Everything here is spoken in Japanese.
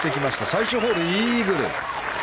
最終ホール、イーグル。